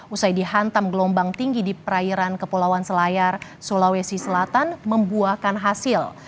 usai dihantam gelombang tinggi di perairan kepulauan selayar sulawesi selatan membuahkan hasil